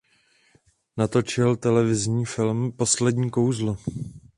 Natočil televizní film "Poslední kouzlo".